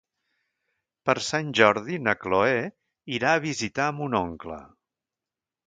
Per Sant Jordi na Chloé irà a visitar mon oncle.